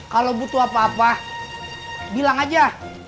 kalau butuh apa apa bilang aja